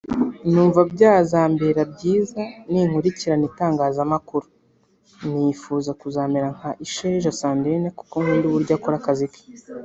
numva byazambera byiza ninkurikirana itangazamakuru […] nifuza kuzamera nka Isheja Sandrine kuko nkunda uburyo akora akazi ke